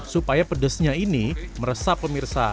supaya pedesnya ini meresap pemirsa